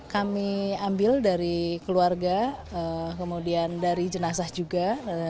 kami ambil dari keluarga kemudian dari jenazah juga